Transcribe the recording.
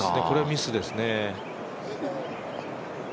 これはミスですね。